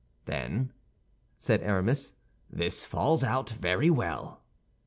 "Then," said Aramis, "this falls out very well."